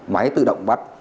máy tự động bắt